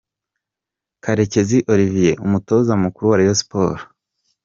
Karekezi Olivier umutoza mukuru wa Rayon Sports.